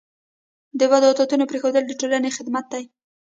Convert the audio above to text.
د بد عادتونو پرېښودل د ټولنې خدمت دی.